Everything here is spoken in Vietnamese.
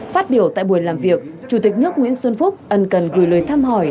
phát biểu tại buổi làm việc chủ tịch nước nguyễn xuân phúc ân cần gửi lời thăm hỏi